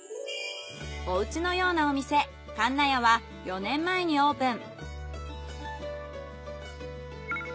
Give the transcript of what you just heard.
お家のようなお店かんなやは４年前にオープン。